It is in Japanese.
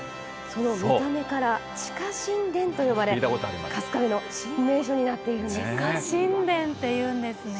その見た目から、地下神殿と呼ばれ、春日部の新名所になって地下神殿っていうんですね。